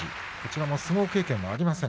相撲経験はありません。